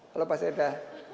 halo pak seda